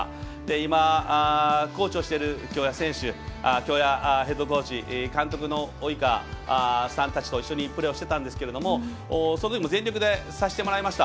今、コーチをしてる京谷ヘッドコーチ監督の及川さんたちと一緒にプレーをしてたんですがそのときも全力でさせてもらいました。